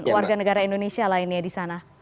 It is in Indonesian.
warga negara indonesia lainnya di sana